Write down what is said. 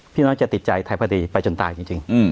พี่น้องจะติดใจไทยพอดีไปจนตายจริง